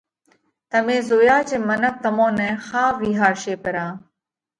تمي زويا جي منک تمون نئہ ۿاوَ وِيهارشي پرا۔